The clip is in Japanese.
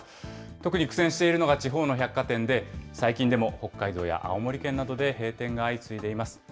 特に苦戦しているのが地方の百貨店で、最近でも北海道や青森県などで閉店が相次いでいます。